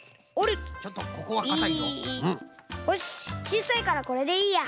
ちいさいからこれでいいや。